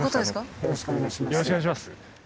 よろしくお願いします。